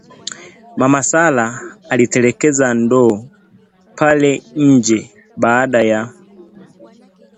Mama Sarah aliitelekeza ndoo pale nje baada ya